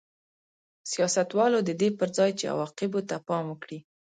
سیاستوالو د دې پر ځای چې عواقبو ته پام وکړي